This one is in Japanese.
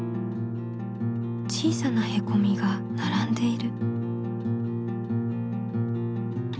ちいさなへこみがならんでいる。